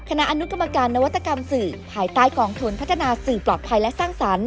คณะอนุกรรมการนวัตกรรมสื่อภายใต้กองทุนพัฒนาสื่อปลอดภัยและสร้างสรรค์